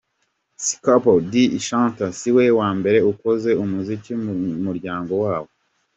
Skpado Di Shatta siwe wa mbere ukoze umuziki mu muryango wabo.